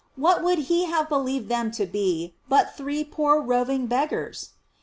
549 what would he have believed them to be but three poor, roving beggars?